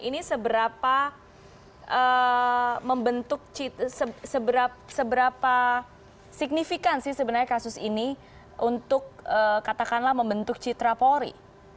ini seberapa signifikan sih sebenarnya kasus ini untuk katakanlah membentuk citra polri